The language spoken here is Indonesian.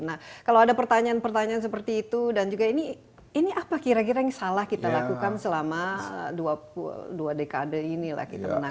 nah kalau ada pertanyaan pertanyaan seperti itu dan juga ini apa kira kira yang salah kita lakukan selama dua dekade inilah kita menangani